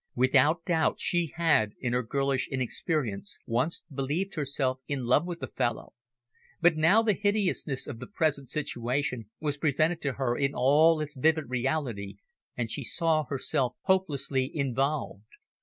Without doubt she had, in her girlish inexperience, once believed herself in love with the fellow, but now the hideousness of the present situation was presented to her in all its vivid reality and she saw herself hopelessly involved.